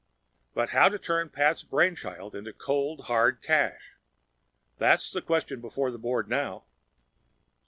But how to turn Pat's brainchild into cold, hard cash—that's the question before the board now.